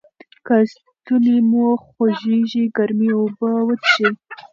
که ستونی مو خوږیږي ګرمې اوبه وڅښئ.